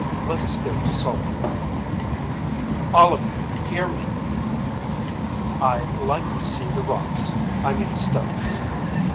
Let us go to Soller. All of you hear me. I like to see the rocks I mean stones.